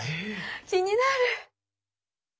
気になる！